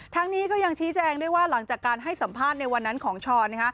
นี้ก็ยังชี้แจงด้วยว่าหลังจากการให้สัมภาษณ์ในวันนั้นของช้อน